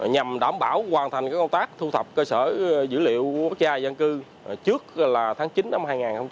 nhằm đảm bảo hoàn thành công tác thu thập cơ sở dữ liệu quốc gia dân cư trước tháng chín năm hai nghìn hai mươi ba